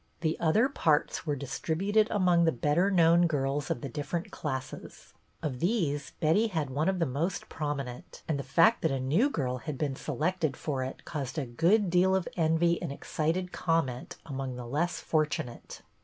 The other parts were distributed among the better known girls of the different classes. Of these Betty had one of the most promi nent, and the fact that a new girl had been selected for it caused a good deal of envy and excited comment among the less for tunate.